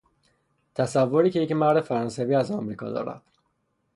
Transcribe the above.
تصوری که یک مرد فرانسوی از امریکا دارد